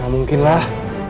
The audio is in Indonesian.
ga mungkin lah